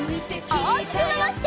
おおきくまわして。